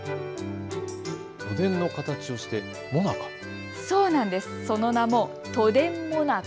都電の形をしたもなか。